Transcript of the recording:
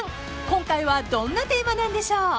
［今回はどんなテーマなんでしょう？］